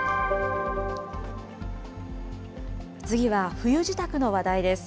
次は冬支度の話題です。